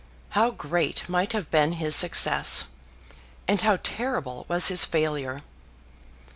How great might have been his success, and how terrible was his failure!